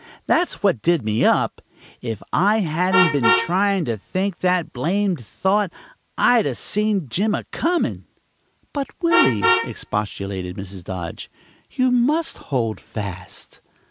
That's what did me up. If I hadn't been trying to think that blamed thought, I'd 'a' seen Jim a comin'." "But, Willy," expostulated Mrs. Dodge, "you must hold fast."